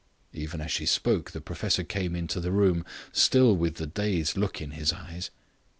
Even as she spoke the professor came into the room still with the dazed look in his eyes.